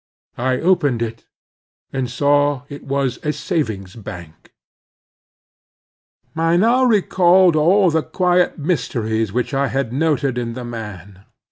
I opened it, and saw it was a savings' bank. I now recalled all the quiet mysteries which I had noted in the man.